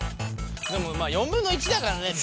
でもまあ４分の１だからねＢ！